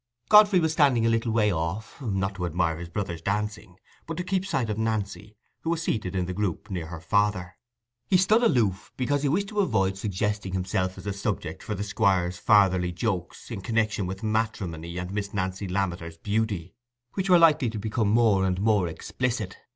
Godfrey was standing a little way off, not to admire his brother's dancing, but to keep sight of Nancy, who was seated in the group, near her father. He stood aloof, because he wished to avoid suggesting himself as a subject for the Squire's fatherly jokes in connection with matrimony and Miss Nancy Lammeter's beauty, which were likely to become more and more explicit.